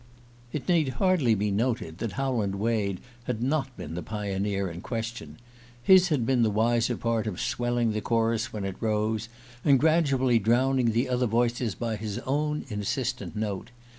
It need hardly be noted that Howland Wade had not been the pioneer in question: his had been the wiser part of swelling the chorus when it rose, and gradually drowning the other voices by his own insistent note.